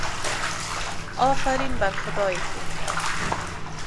آفرین بر خدائیکه